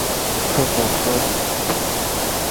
เพิ่มมุขเจ้าหญิงนางฟ้า